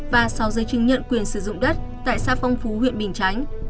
và sáu giấy chứng nhận quyền sử dụng đất tại xã phong phú huyện bình chánh